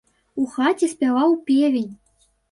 У хаце спяваў певень.